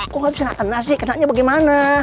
kok gak bisa gak kena sih kenanya bagaimana